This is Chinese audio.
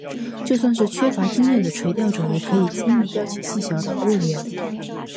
就算是缺乏经验的垂钓者也可以轻易钓起细小的欧鲢。